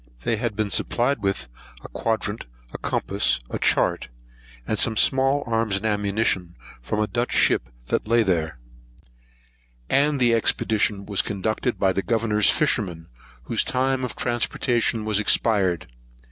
They had been supplied with a quadrant, a compass, a chart, and some small arms and ammunition, from a Dutch ship that lay there; and the expedition was conducted by the Governor's fisherman, whose time of transportation was expired.